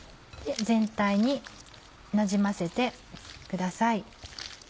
全体になじませてください。